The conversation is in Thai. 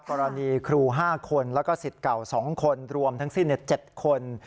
กรณีครู๕คนแล้วก็สิทธิ์เก่า๒คนรวมทั้งสิ้น๗คน